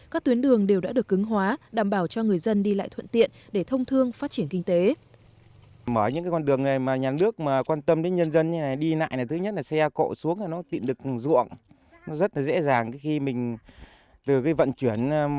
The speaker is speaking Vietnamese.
các tuyến đường đều đã được cứng hóa đảm bảo cho người dân đi lại thuận tiện để thông thương phát triển kinh tế